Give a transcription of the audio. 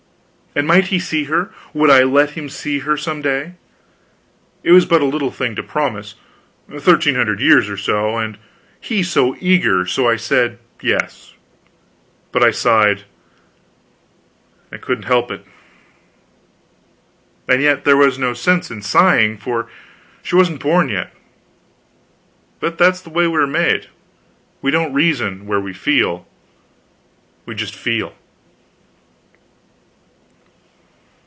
And might he see her? Would I let him see her some day? It was but a little thing to promise thirteen hundred years or so and he so eager; so I said Yes. But I sighed; I couldn't help it. And yet there was no sense in sighing, for she wasn't born yet. But that is the way we are made: we don't reason, where we feel; we just feel.